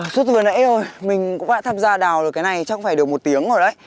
suốt từ nãy thôi mình cũng đã tham gia đào được cái này chắc cũng phải được một tiếng rồi đấy